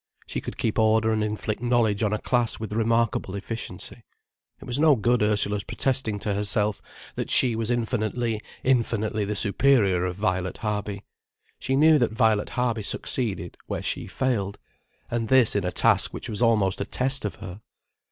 She could keep order and inflict knowledge on a class with remarkable efficiency. It was no good Ursula's protesting to herself that she was infinitely, infinitely the superior of Violet Harby. She knew that Violet Harby succeeded where she failed, and this in a task which was almost a test of her.